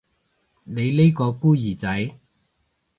你呢個孤兒仔